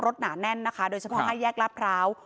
หนาแน่นนะคะโดยเฉพาะ๕แยกลาดพร้าว